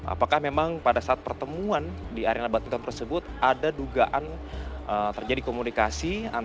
apakah memang pada saat pertemuan di arena badminton tersebut ada dugaan terjadi komunikasi